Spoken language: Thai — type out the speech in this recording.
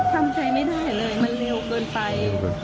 ทำใจไม่ได้เลยมันเร็วเกินไป